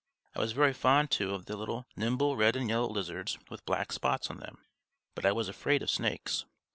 I was very fond, too, of the little nimble red and yellow lizards with black spots on them, but I was afraid of snakes.